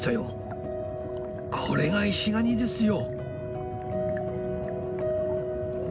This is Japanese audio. これがイシガニですよ！